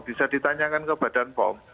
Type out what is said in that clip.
bisa ditanyakan ke badan pom